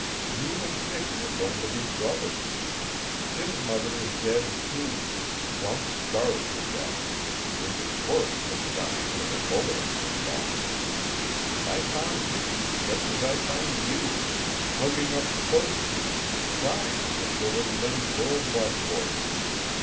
You and Miki are going to be brothers. His mother is dead, too plum starved to death, which is worse than dying with a bullet in your lung. And I found Miki just as I found you, hugging up close to her an' crying as if there wasn't any world left for him.